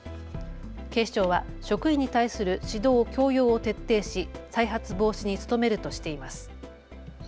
警視庁は職員に対する指導、教養を徹底し再発防止に努めるとしています。